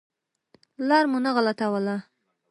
لار مو نه غلطوله.